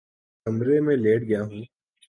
کمرے میں لیٹ گیا ہوں